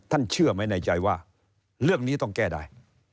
เชื่อไหมในใจว่าเรื่องนี้ต้องแก้ได้